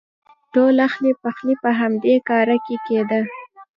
ټول اخلی پخلی په همدې هرکاره کې کېده.